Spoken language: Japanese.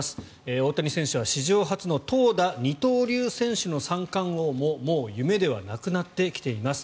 大谷選手は史上初の投打二刀流選手の三冠王ももう夢ではなくなってきています。